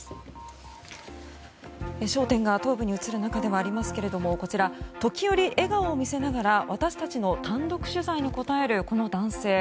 焦点が東部に移る中ではありますがこちら、時折笑顔を見せながら私たちの単独取材に答えるこの男性